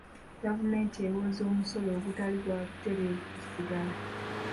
Gavumenti ewooza omusolo ogutali gwa butereevu ku ssigala.